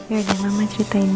ya ya mama ceritain ya